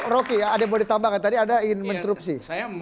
rocky ada yang mau ditambahkan tadi ada yang ingin menurut si